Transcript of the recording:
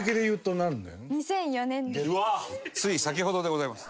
つい先ほどでございます。